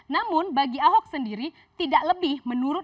namun bagi ahok sendiri tidak lebih menurut versi yang tersebut